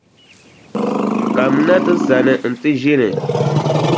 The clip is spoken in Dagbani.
Kamina ti sani nti ʒini.